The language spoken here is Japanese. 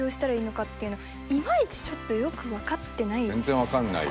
全然分かんないよ。